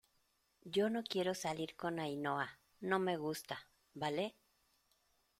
yo no quiero salir con Ainhoa, no me gusta ,¿ vale?